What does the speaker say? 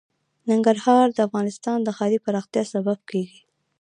ننګرهار د افغانستان د ښاري پراختیا سبب کېږي.